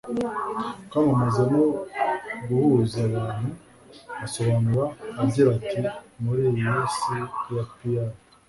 kwamamaza no guhuza abantu. asobanura agira ati muri iyi si ya pr